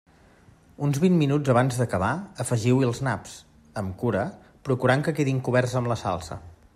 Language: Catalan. Uns vint minuts abans d'acabar, afegiu-hi els naps, amb cura, procurant que quedin coberts amb la salsa.